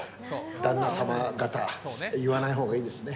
旦那様方、言わないほうがいいですね。